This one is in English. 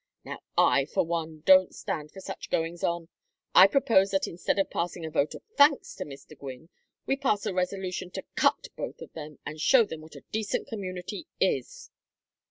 Now I, for one, don't stand for such goings on. I propose that instead of passing a vote of thanks to Mr. Gwynne we pass a resolution to cut both of them, and show them what a decent community is."